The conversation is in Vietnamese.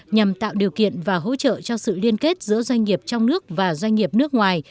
nhằm tạo điều kiện và hỗ trợ cho sự liên kết giữa doanh nghiệp trong nước và doanh nghiệp nước ngoài